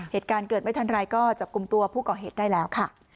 เหตุการณ์เกิดไม่ทันไรก็จับกลุ่มตัวผู้ก่อเหตุได้แล้วค่ะ